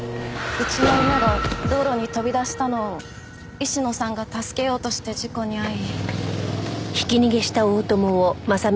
うちの犬が道路に飛び出したのを石野さんが助けようとして事故に遭い。